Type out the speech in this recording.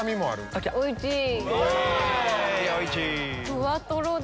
ふわとろだ。